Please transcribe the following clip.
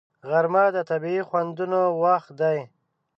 غرمه د طبیعي خوندونو وخت دی